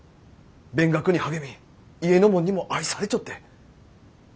勉学に励み家のもんにも愛されちょって。